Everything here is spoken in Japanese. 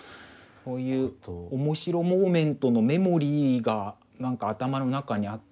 そういう「おもしろモーメントのメモリー」がなんか頭の中にあって。